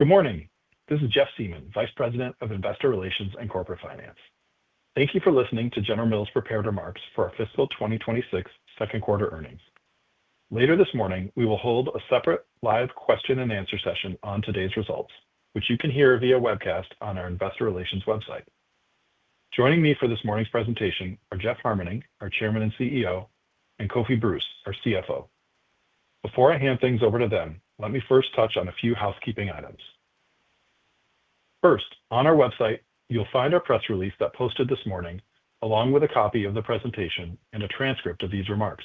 Good morning. This is Jeff Siemon, Vice President of Investor Relations and Corporate Finance. Thank you for listening to General Mills' prepared remarks for our fiscal 2026 second quarter earnings. Later this morning, we will hold a separate live question-and-answer session on today's results, which you can hear via webcast on our Investor Relations website. Joining me for this morning's presentation are Jeff Harmening, our Chairman and CEO, and Kofi Bruce, our CFO. Before I hand things over to them, let me first touch on a few housekeeping items. First, on our website, you'll find our press release that posted this morning, along with a copy of the presentation and a transcript of these remarks.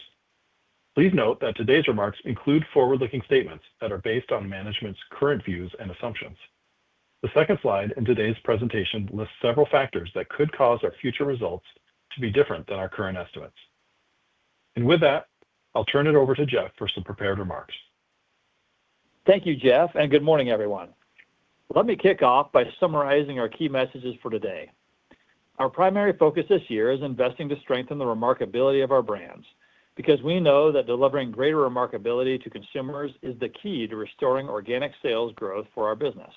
Please note that today's remarks include forward-looking statements that are based on management's current views and assumptions. The second slide in today's presentation lists several factors that could cause our future results to be different than our current estimates, and with that, I'll turn it over to Jeff for some prepared remarks. Thank you, Jeff, and good morning, everyone. Let me kick off by summarizing our key messages for today. Our primary focus this year is investing to strengthen the remarkability of our brands because we know that delivering greater remarkability to consumers is the key to restoring organic sales growth for our business.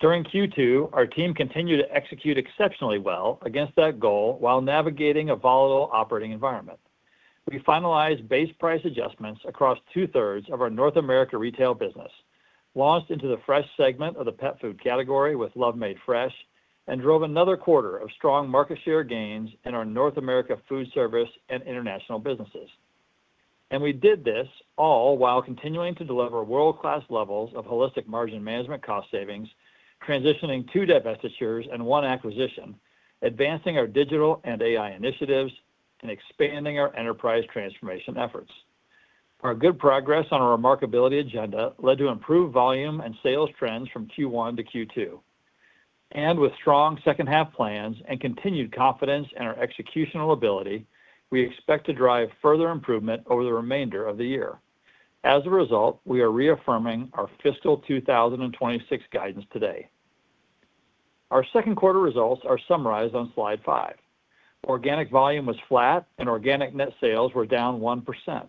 During Q2, our team continued to execute exceptionally well against that goal while navigating a volatile operating environment. We finalized base price adjustments across two-thirds of our North America Retail business, launched into the fresh segment of the pet food category with Love Made Fresh, and drove another quarter of strong market share gains in our North America Foodservice and international businesses, and we did this all while continuing to deliver world-class levels of Holistic Margin Management cost savings, transitioning two divestitures and one acquisition, advancing our digital and AI initiatives, and expanding our enterprise transformation efforts. Our good progress on our remarkability agenda led to improved volume and sales trends from Q1 to Q2, and with strong second-half plans and continued confidence in our executional ability, we expect to drive further improvement over the remainder of the year. As a result, we are reaffirming our fiscal 2026 guidance today. Our second quarter results are summarized on slide five. Organic volume was flat, and organic net sales were down 1%,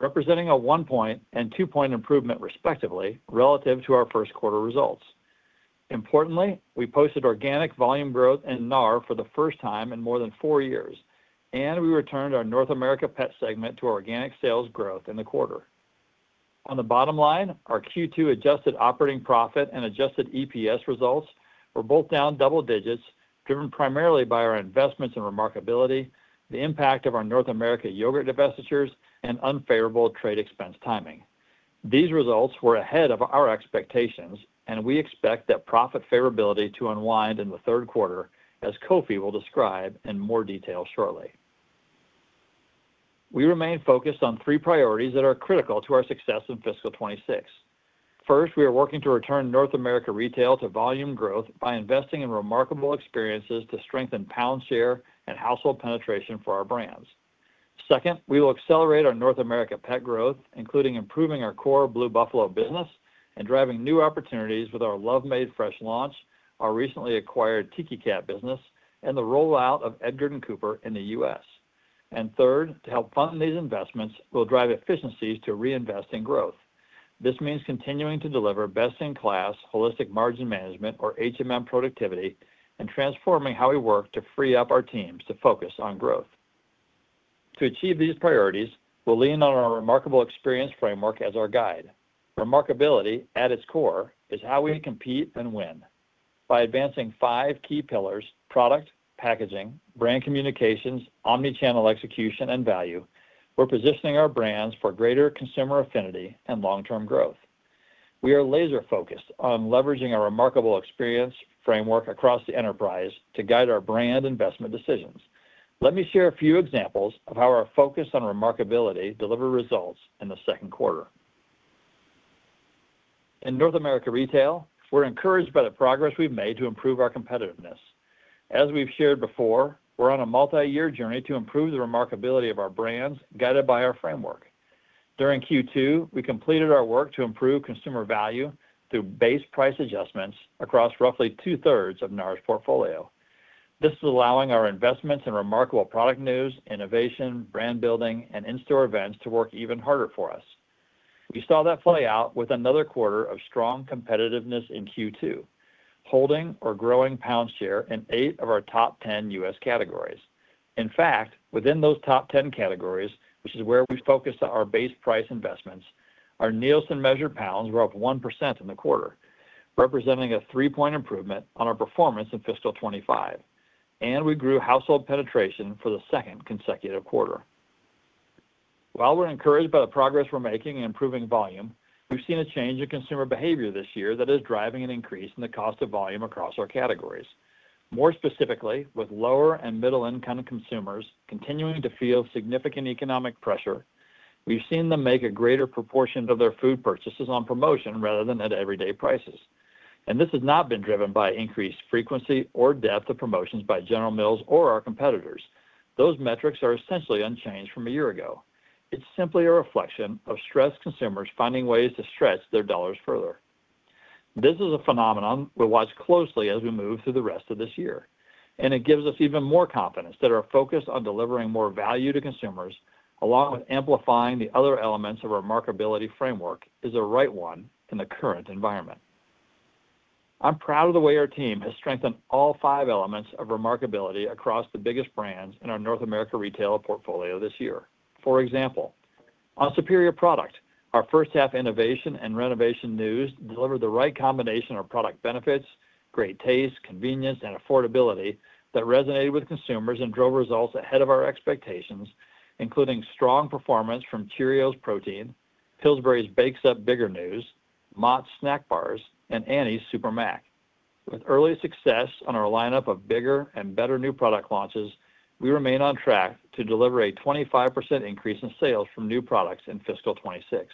representing a one-point and two-point improvement, respectively, relative to our first quarter results. Importantly, we posted organic volume growth in NAR for the first time in more than four years, and we returned our North America Pet segment to organic sales growth in the quarter. On the bottom line, our Q2 adjusted operating profit and adjusted EPS results were both down double digits, driven primarily by our investments in remarkability, the impact of our North America yogurt divestitures, and unfavorable trade expense timing. These results were ahead of our expectations, and we expect that profit favorability to unwind in the third quarter, as Kofi will describe in more detail shortly. We remain focused on three priorities that are critical to our success in fiscal 2026. First, we are working to return North America Retail to volume growth by investing in remarkable experiences to strengthen pound share and household penetration for our brands. Second, we will accelerate our North America Pet growth, including improving our core Blue Buffalo business and driving new opportunities with our Love Made Fresh launch, our recently acquired Tiki Cat business, and the rollout of Edgard & Cooper in the U.S. Third, to help fund these investments, we'll drive efficiencies to reinvest in growth. This means continuing to deliver best-in-class Holistic Margin Management, or productivity and transforming how we work to free up our teams to focus on growth. To achieve these priorities, we'll lean on our Remarkable Experience Framework as our guide. Remarkability, at its core, is how we compete and win. By advancing five key pillars: product, packaging, brand communications, omnichannel execution, and value, we're positioning our brands for greater consumer affinity and long-term growth. We are laser-focused on leveraging our Remarkable Experience Framework across the enterprise to guide our brand investment decisions. Let me share a few examples of how our focus on remarkability delivered results in the second quarter. In North America Retail, we're encouraged by the progress we've made to improve our competitiveness. As we've shared before, we're on a multi-year journey to improve the remarkability of our brands, guided by our framework. During Q2, we completed our work to improve consumer value through base price adjustments across roughly two-thirds of NAR's portfolio. This is allowing our investments in remarkable product news, innovation, brand building, and in-store events to work even harder for us. We saw that play out with another quarter of strong competitiveness in Q2, holding or growing pound share in eight of our top 10 U.S. categories. In fact, within those top 10 categories, which is where we focused our base price investments, our Nielsen measured pounds were up 1% in the quarter, representing a three-point improvement on our performance in fiscal 2025. And we grew household penetration for the second consecutive quarter. While we're encouraged by the progress we're making in improving volume, we've seen a change in consumer behavior this year that is driving an increase in the cost of volume across our categories. More specifically, with lower and middle-income consumers continuing to feel significant economic pressure, we've seen them make a greater proportion of their food purchases on promotion rather than at everyday prices, and this has not been driven by increased frequency or depth of promotions by General Mills or our competitors. Those metrics are essentially unchanged from a year ago. It's simply a reflection of stressed consumers finding ways to stretch their dollars further. This is a phenomenon we'll watch closely as we move through the rest of this year. It gives us even more confidence that our focus on delivering more value to consumers, along with amplifying the other elements of our Remarkability Framework, is the right one in the current environment. I'm proud of the way our team has strengthened all five elements of remarkability across the biggest brands in our North America Retail portfolio this year. For example, on superior product, our first-half innovation and renovation news delivered the right combination of product benefits, great taste, convenience, and affordability that resonated with consumers and drove results ahead of our expectations, including strong performance from Cheerios Protein, Pillsbury's Bakes Up Bigger news, Mott's Snack Bars, and Annie's Super Mac. With early success on our lineup of bigger and better new product launches, we remain on track to deliver a 25% increase in sales from new products in fiscal 2026.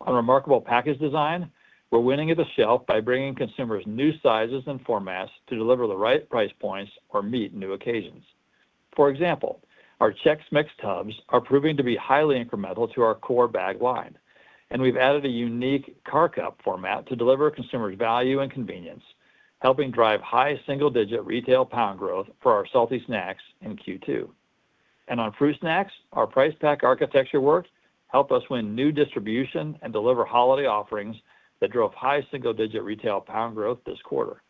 On remarkable package design, we're winning at the shelf by bringing consumers new sizes and formats to deliver the right price points or meet new occasions. For example, our Chex Mix tubs are proving to be highly incremental to our core bag line. And we've added a unique car cup format to deliver consumers value and convenience, helping drive high single-digit retail pound growth for our salty snacks in Q2. And on fruit snacks, our price pack architecture work helped us win new distribution and deliver holiday offerings that drove high single-digit retail pound growth this quarter.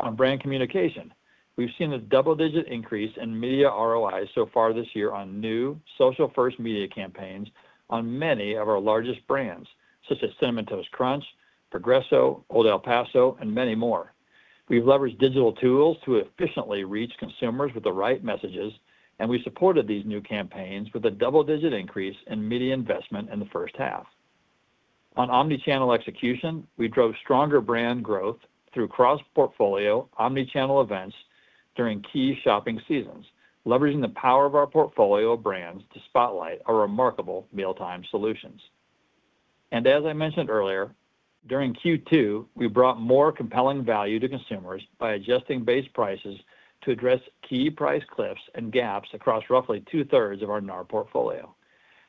On brand communication, we've seen a double-digit increase in media ROI so far this year on new social-first media campaigns on many of our largest brands, such as Cinnamon Toast Crunch, Progresso, Old El Paso, and many more. We've leveraged digital tools to efficiently reach consumers with the right messages, and we supported these new campaigns with a double-digit increase in media investment in the first half. On omnichannel execution, we drove stronger brand growth through cross-portfolio omnichannel events during key shopping seasons, leveraging the power of our portfolio of brands to spotlight our remarkable mealtime solutions, and as I mentioned earlier, during Q2, we brought more compelling value to consumers by adjusting base prices to address key price cliffs and gaps across roughly two-thirds of our NAR portfolio.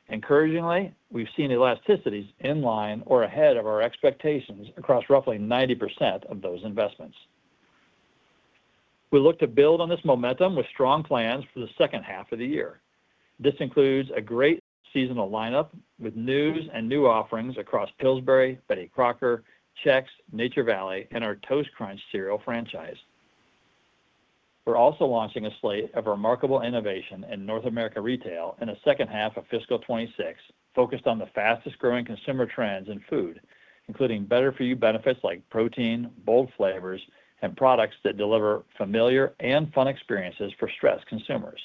Encouragingly, we've seen elasticities in line or ahead of our expectations across roughly 90% of those investments. We look to build on this momentum with strong plans for the second half of the year. This includes a great seasonal lineup with news and new offerings across Pillsbury, Betty Crocker, Chex, Nature Valley, and our Toast Crunch cereal franchise. We're also launching a slate of remarkable innovation in North America Retail in the second half of fiscal 2026, focused on the fastest-growing consumer trends in food, including better-for-you benefits like protein, bold flavors, and products that deliver familiar and fun experiences for stressed consumers.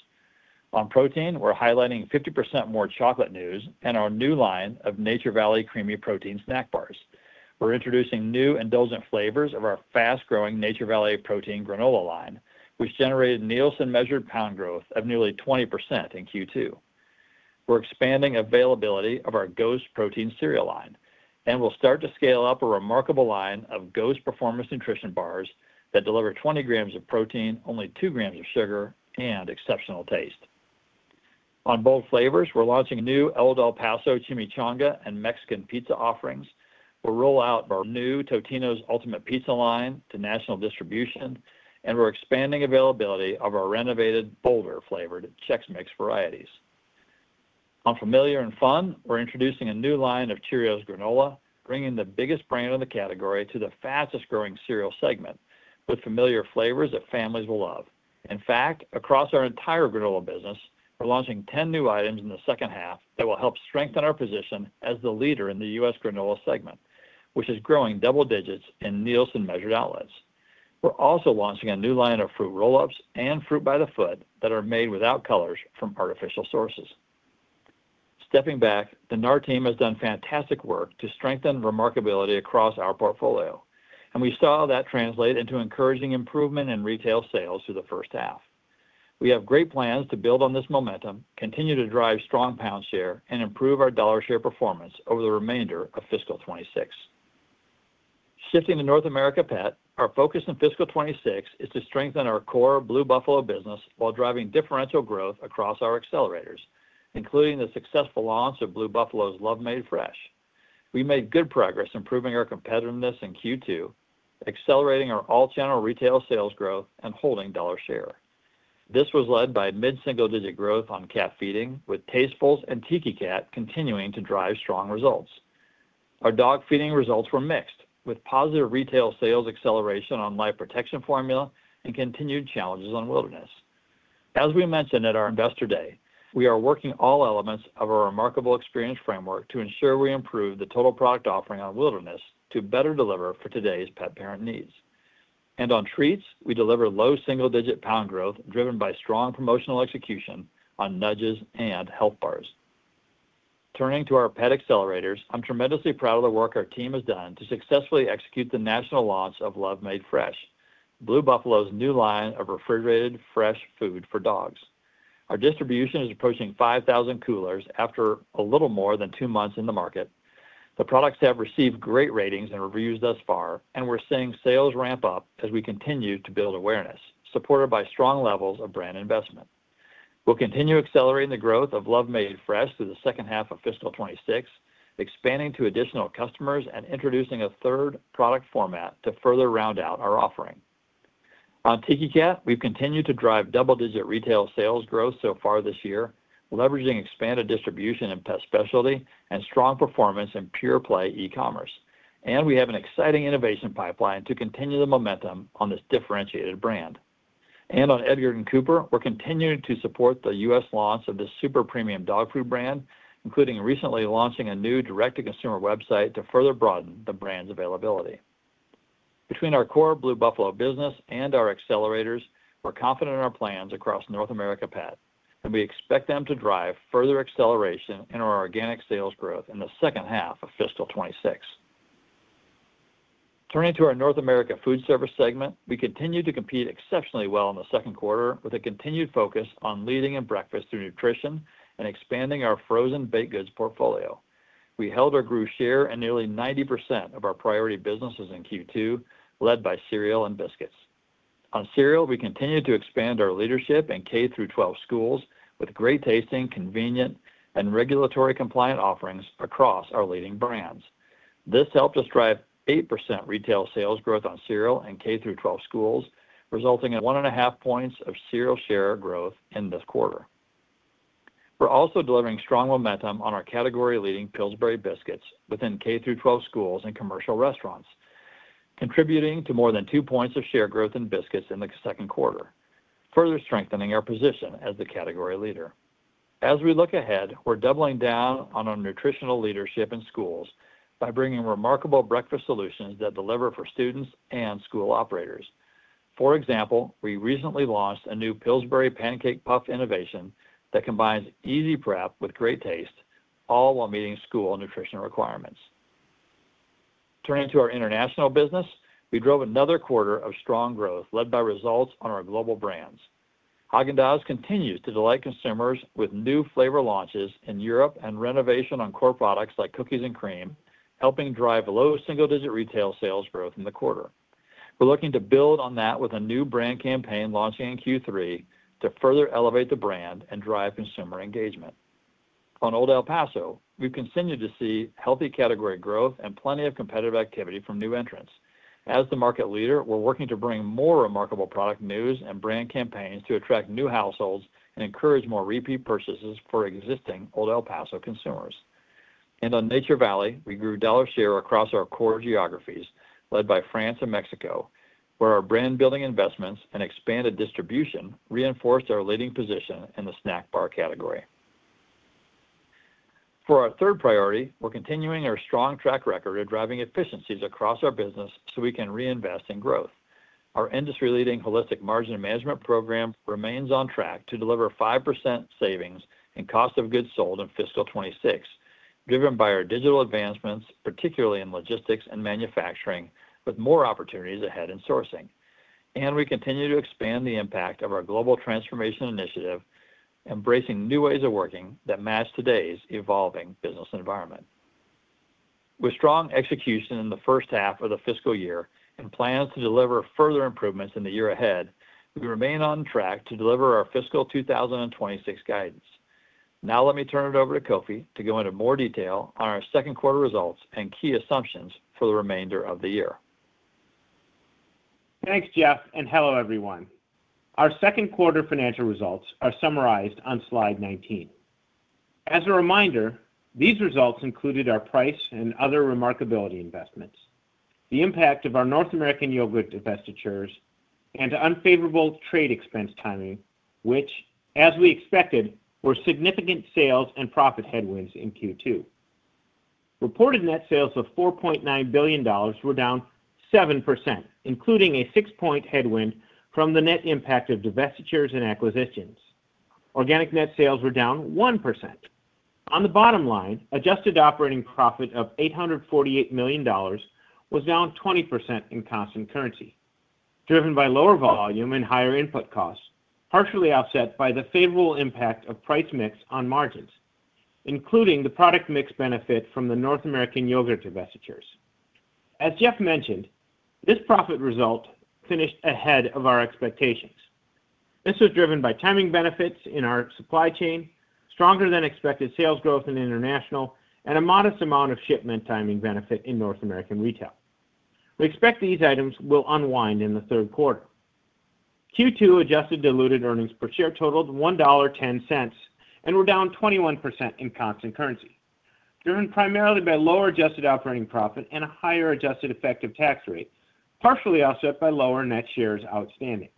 On protein, we're highlighting 50% more chocolate mousse and our new line of Nature Valley Creamy Protein Snack Bars. We're introducing new indulgent flavors of our fast-growing Nature Valley Protein Granola line, which generated Nielsen measured pound growth of nearly 20% in Q2. We're expanding availability of our Ghost Protein Cereal line, and we'll start to scale up a remarkable line of Ghost Performance Nutrition Bars that deliver 20 g of protein, only 2 g of sugar, and exceptional taste. On bold flavors, we're launching new Old El Paso Chimichanga and Mexican Pizza offerings. We'll roll out our new Totino's Ultimate Pizza line to national distribution, and we're expanding availability of our renovated bolder flavored Chex Mix varieties. On familiar and fun, we're introducing a new line of Cheerios Granola, bringing the biggest brand in the category to the fastest-growing cereal segment with familiar flavors that families will love. In fact, across our entire granola business, we're launching 10 new items in the second half that will help strengthen our position as the leader in the U.S. granola segment, which is growing double digits in Nielsen measured outlets. We're also launching a new line of Fruit Roll-Ups and Fruit by the Foot that are made without colors from artificial sources. Stepping back, the NAR team has done fantastic work to strengthen remarkability across our portfolio, and we saw that translate into encouraging improvement in retail sales through the first half. We have great plans to build on this momentum, continue to drive strong pound share, and improve our dollar share performance over the remainder of fiscal 2026. Shifting to North America Pet, our focus in fiscal 2026 is to strengthen our core Blue Buffalo business while driving differential growth across our accelerators, including the successful launch of Blue Buffalo's Love Made Fresh. We made good progress improving our competitiveness in Q2, accelerating our all-channel retail sales growth, and holding dollar share. This was led by mid-single-digit growth on cat feeding, with Tastefuls and Tiki Cat continuing to drive strong results. Our dog feeding results were mixed, with positive retail sales acceleration on Life Protection Formula and continued challenges on Wilderness. As we mentioned at our investor day, we are working all elements of our Remarkable Experience Framework to ensure we improve the total product offering on Wilderness to better deliver for today's pet parent needs, and on treats, we deliver low single-digit pound growth driven by strong promotional execution on Nudges and Health Bars. Turning to our pet accelerators, I'm tremendously proud of the work our team has done to successfully execute the national launch of Love Made Fresh, Blue Buffalo's new line of refrigerated fresh food for dogs. Our distribution is approaching 5,000 coolers after a little more than two months in the market. The products have received great ratings and reviews thus far, and we're seeing sales ramp up as we continue to build awareness, supported by strong levels of brand investment. We'll continue accelerating the growth of Love Made Fresh through the second half of fiscal 2026, expanding to additional customers and introducing a third product format to further round out our offering. On Tiki Cat, we've continued to drive double-digit retail sales growth so far this year, leveraging expanded distribution and pet specialty and strong performance in pure-play e-commerce, and we have an exciting innovation pipeline to continue the momentum on this differentiated brand, and on Edgard & Cooper, we're continuing to support the U.S. launch of this super premium dog food brand, including recently launching a new direct-to-consumer website to further broaden the brand's availability. Between our core Blue Buffalo business and our accelerators, we're confident in our plans across North America Pet, and we expect them to drive further acceleration in our organic sales growth in the second half of fiscal 2026. Turning to our North America foodservice segment, we continue to compete exceptionally well in the second quarter with a continued focus on leading in breakfast through nutrition and expanding our frozen baked goods portfolio. We held our core share and nearly 90% of our priority businesses in Q2, led by cereal and biscuits. On cereal, we continue to expand our leadership in K through 12 schools with great tasting, convenient, and regulatory compliant offerings across our leading brands. This helped us drive 8% retail sales growth on cereal in K through 12 schools, resulting in one and a half points of cereal share growth in this quarter. We're also delivering strong momentum on our category-leading Pillsbury biscuits within K through 12 schools and commercial restaurants, contributing to more than two points of share growth in biscuits in the second quarter, further strengthening our position as the category leader. As we look ahead, we're doubling down on our nutritional leadership in schools by bringing remarkable breakfast solutions that deliver for students and school operators. For example, we recently launched a new Pillsbury Pancake Puff Innovation that combines easy prep with great taste, all while meeting school nutrition requirements. Turning to our international business, we drove another quarter of strong growth led by results on our global brands. Häagen-Dazs continues to delight consumers with new flavor launches in Europe and renovation on core products like cookies and cream, helping drive low single-digit retail sales growth in the quarter. We're looking to build on that with a new brand campaign launching in Q3 to further elevate the brand and drive consumer engagement. On Old El Paso, we've continued to see healthy category growth and plenty of competitive activity from new entrants. As the market leader, we're working to bring more remarkable product news and brand campaigns to attract new households and encourage more repeat purchases for existing Old El Paso consumers. And on Nature Valley, we grew dollar share across our core geographies, led by France and Mexico, where our brand-building investments and expanded distribution reinforced our leading position in the snack bar category. For our third priority, we're continuing our strong track record of driving efficiencies across our business so we can reinvest in growth. Our industry-leading Holistic Margin Management program remains on track to deliver 5% savings in cost of goods sold in fiscal 2026, driven by our digital advancements, particularly in logistics and manufacturing, with more opportunities ahead in sourcing. And we continue to expand the impact of our global transformation initiative, embracing new ways of working that match today's evolving business environment. With strong execution in the first half of the fiscal year and plans to deliver further improvements in the year ahead, we remain on track to deliver our fiscal 2026 guidance. Now let me turn it over to Kofi to go into more detail on our second quarter results and key assumptions for the remainder of the year. Thanks, Jeff, and hello, everyone. Our second quarter financial results are summarized on slide 19. As a reminder, these results included our price and other remarkability investments, the impact of our North American yogurt divestitures, and unfavorable trade expense timing, which, as we expected, were significant sales and profit headwinds in Q2. Reported net sales of $4.9 billion were down 7%, including a 6-point headwind from the net impact of divestitures and acquisitions. Organic net sales were down 1%. On the bottom line, adjusted operating profit of $848 million was down 20% in constant currency, driven by lower volume and higher input costs, partially offset by the favorable impact of price mix on margins, including the product mix benefit from the North American yogurt divestitures. As Jeff mentioned, this profit result finished ahead of our expectations. This was driven by timing benefits in our supply chain, stronger-than-expected sales growth in international, and a modest amount of shipment timing benefit in North American Retail. We expect these items will unwind in the third quarter. Q2 adjusted diluted earnings per share totaled $1.10 and were down 21% in constant currency, driven primarily by lower adjusted operating profit and a higher adjusted effective tax rate, partially offset by lower net shares outstanding.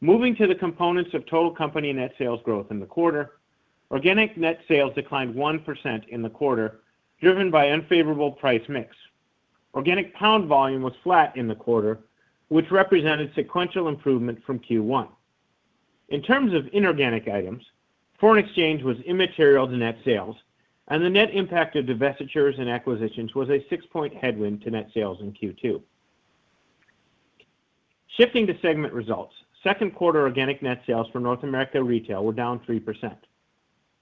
Moving to the components of total company net sales growth in the quarter, organic net sales declined 1% in the quarter, driven by unfavorable price mix. Organic pound volume was flat in the quarter, which represented sequential improvement from Q1. In terms of inorganic items, foreign exchange was immaterial to net sales, and the net impact of divestitures and acquisitions was a 6-point headwind to net sales in Q2. Shifting to segment results, second quarter organic net sales for North America Retail were down 3%,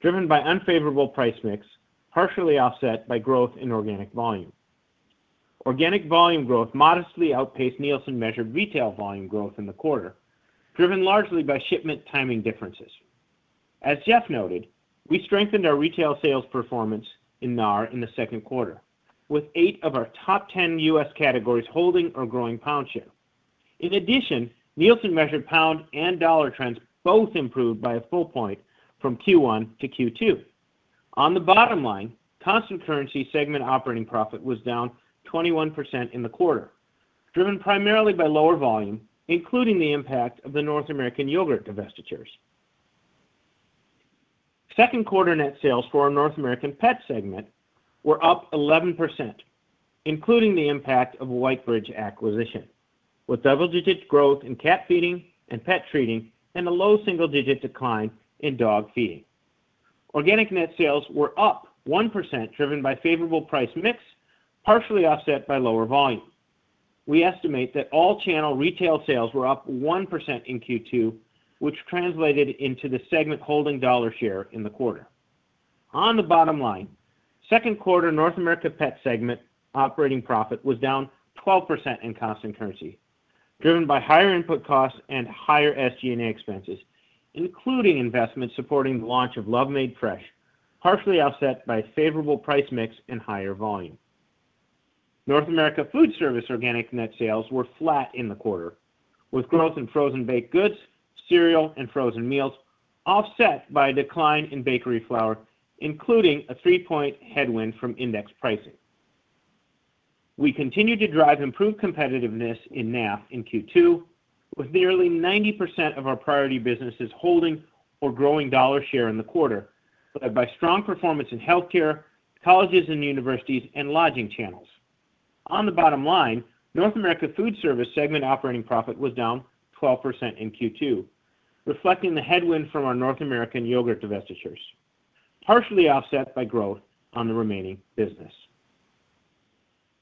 driven by unfavorable price mix, partially offset by growth in organic volume. Organic volume growth modestly outpaced Nielsen measured retail volume growth in the quarter, driven largely by shipment timing differences. As Jeff noted, we strengthened our retail sales performance in NAR in the second quarter, with eight of our top 10 U.S. categories holding or growing pound share. In addition, Nielsen measured pound and dollar trends both improved by a full point from Q1 to Q2. On the bottom line, constant currency segment operating profit was down 21% in the quarter, driven primarily by lower volume, including the impact of the North American yogurt divestitures. Second quarter net sales for our North American Pet segment were up 11%, including the impact of Whitebridge acquisition, with double-digit growth in cat feeding and pet treating and a low single-digit decline in dog feeding. Organic net sales were up 1%, driven by favorable price mix, partially offset by lower volume. We estimate that all-channel retail sales were up 1% in Q2, which translated into the segment holding dollar share in the quarter. On the bottom line, second quarter North America Pet segment operating profit was down 12% in constant currency, driven by higher input costs and higher SG&A expenses, including investments supporting the launch of Love Made Fresh, partially offset by favorable price mix and higher volume. North America Foodservice organic net sales were flat in the quarter, with growth in frozen baked goods, cereal, and frozen meals, offset by a decline in bakery flour, including a 3-point headwind from index pricing. We continue to drive improved competitiveness in NAF in Q2, with nearly 90% of our priority businesses holding or growing dollar share in the quarter, led by strong performance in healthcare, colleges and universities, and lodging channels. On the bottom line, North America Foodservice segment operating profit was down 12% in Q2, reflecting the headwind from our North American yogurt divestitures, partially offset by growth on the remaining business.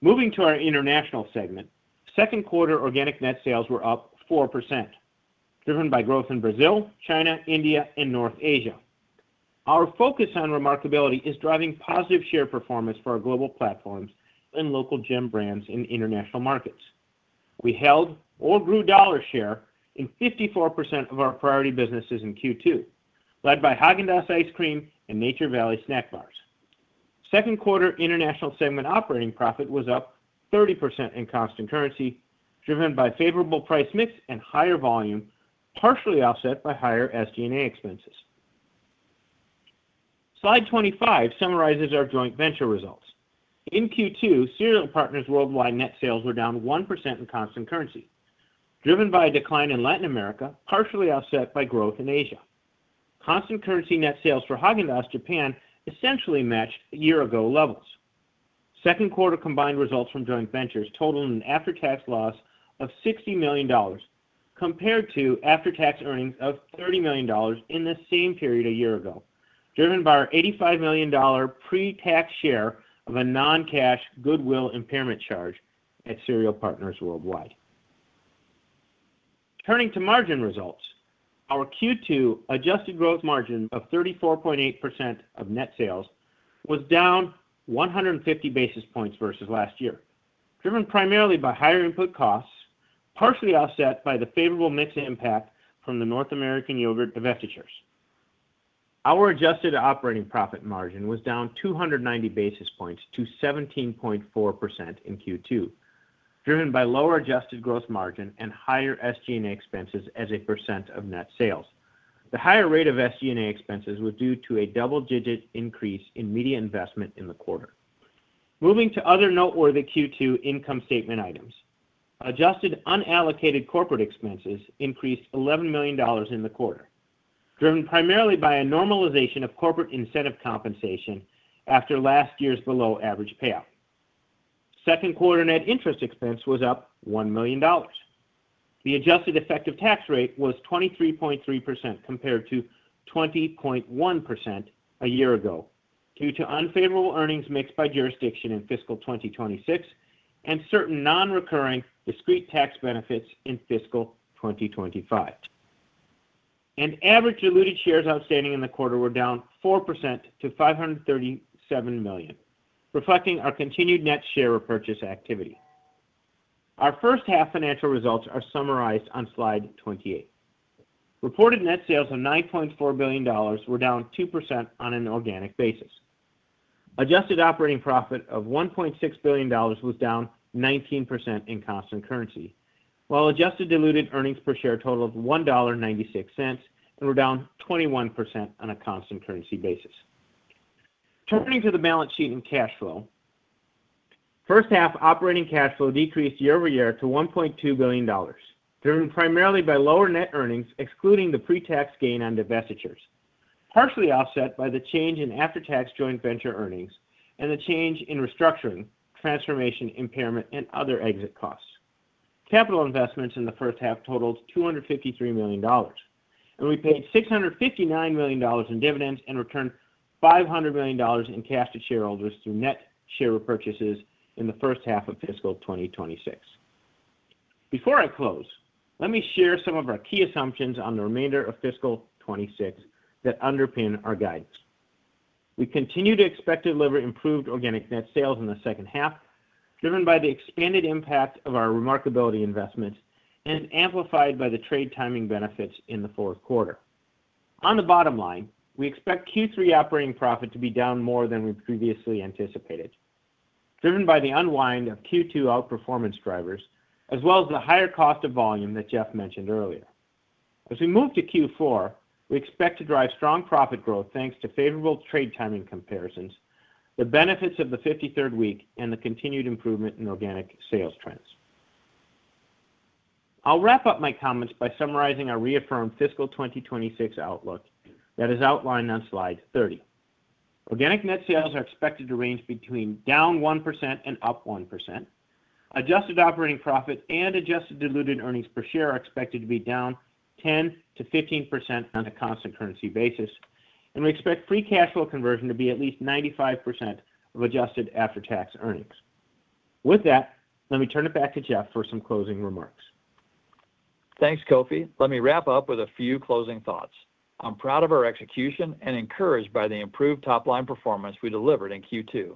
Moving to our International segment, second quarter organic net sales were up 4%, driven by growth in Brazil, China, India, and North Asia. Our focus on remarkability is driving positive share performance for our global platforms and local gem brands in international markets. We held or grew dollar share in 54% of our priority businesses in Q2, led by Häagen-Dazs ice cream and Nature Valley snack bars. Second quarter International segment operating profit was up 30% in constant currency, driven by favorable price mix and higher volume, partially offset by higher SG&A expenses. Slide 25 summarizes our joint venture results. In Q2, Cereal Partners Worldwide net sales were down 1% in constant currency, driven by a decline in Latin America, partially offset by growth in Asia. Constant currency net sales for Häagen-Dazs Japan essentially matched year-ago levels. Second quarter combined results from joint ventures totaled an after-tax loss of $60 million, compared to after-tax earnings of $30 million in the same period a year ago, driven by our $85 million pre-tax share of a non-cash goodwill impairment charge at Cereal Partners Worldwide. Turning to margin results, our Q2 adjusted gross margin of 34.8% of net sales was down 150 basis points versus last year, driven primarily by higher input costs, partially offset by the favorable mix impact from the North American yogurt divestitures. Our adjusted operating profit margin was down 290 basis points to 17.4% in Q2, driven by lower adjusted growth margin and higher SG&A expenses as a percent of net sales. The higher rate of SG&A expenses was due to a double-digit increase in media investment in the quarter. Moving to other noteworthy Q2 income statement items, adjusted unallocated corporate expenses increased $11 million in the quarter, driven primarily by a normalization of corporate incentive compensation after last year's below-average payout. Second quarter net interest expense was up $1 million. The adjusted effective tax rate was 23.3% compared to 20.1% a year ago due to unfavorable earnings mix by jurisdiction in fiscal 2026 and certain non-recurring discrete tax benefits in fiscal 2025. Average diluted shares outstanding in the quarter were down 4% to $537 million, reflecting our continued net share repurchase activity. Our first half financial results are summarized on slide 28. Reported net sales of $9.4 billion were down 2% on an organic basis. Adjusted operating profit of $1.6 billion was down 19% in constant currency, while adjusted diluted earnings per share totaled $1.96 and were down 21% on a constant currency basis. Turning to the balance sheet and cash flow, first half operating cash flow decreased year-over-year to $1.2 billion, driven primarily by lower net earnings excluding the pre-tax gain on divestitures, partially offset by the change in after-tax joint venture earnings and the change in restructuring, transformation, impairment, and other exit costs. Capital investments in the first half totaled $253 million, and we paid $659 million in dividends and returned $500 million in cash to shareholders through net share repurchases in the first half of fiscal 2026. Before I close, let me share some of our key assumptions on the remainder of fiscal 2026 that underpin our guidance. We continue to expect to deliver improved organic net sales in the second half, driven by the expanded impact of our remarkability investments and amplified by the trade timing benefits in the fourth quarter. On the bottom line, we expect Q3 operating profit to be down more than we previously anticipated, driven by the unwind of Q2 outperformance drivers, as well as the higher cost of volume that Jeff mentioned earlier. As we move to Q4, we expect to drive strong profit growth thanks to favorable trade timing comparisons, the benefits of the 53rd week, and the continued improvement in organic sales trends. I'll wrap up my comments by summarizing our reaffirmed fiscal 2026 outlook that is outlined on slide 30. Organic net sales are expected to range between down 1% and up 1%. Adjusted operating profit and adjusted diluted earnings per share are expected to be down 10%-15% on a constant currency basis, and we expect free cash flow conversion to be at least 95% of adjusted after-tax earnings. With that, let me turn it back to Jeff for some closing remarks. Thanks, Kofi. Let me wrap up with a few closing thoughts. I'm proud of our execution and encouraged by the improved top-line performance we delivered in Q2,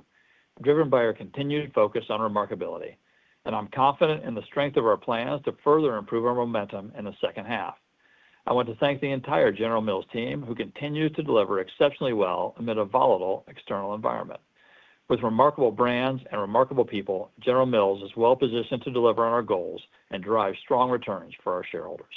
driven by our continued focus on remarkability, and I'm confident in the strength of our plans to further improve our momentum in the second half. I want to thank the entire General Mills team who continues to deliver exceptionally well amid a volatile external environment. With remarkable brands and remarkable people, General Mills is well-positioned to deliver on our goals and drive strong returns for our shareholders.